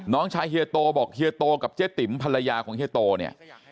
น้องชายเฮียโตบอกเฮียโตกับเจ๊ติ๋มภรรยาของเฮียโตเนี่ย